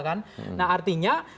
kan nah artinya